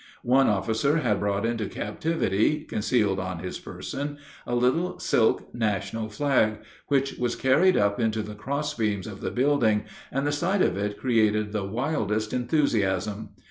One officer had brought into captivity, concealed on his person, a little silk national flag, which was carried up into the cross beams of the building, and the sight of it created the wildest enthusiasm.